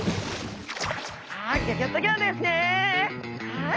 はい！